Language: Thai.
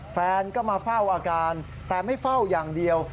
แฟนก็มาเฝ้าอาการแต่ไม่เฝ้าอย่างเดียว